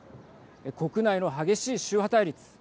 国内の激しい宗派対立。